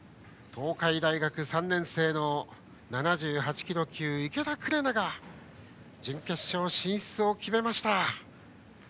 東海大学３年生の７８キロ級池田紅が準決勝進出を決めました。